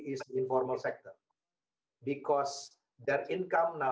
uang untuk pertunjukan